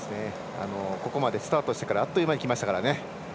ここまでスタートしてからあっという間にきましたからね。